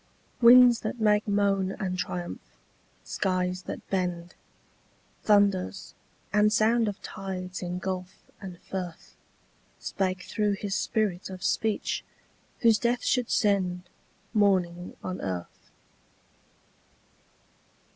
Winds that make moan and triumph, skies that bend, Thunders, and sound of tides in gulf and firth, Spake through his spirit of speech, whose death should send Mourning on earth.